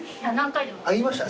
言いました？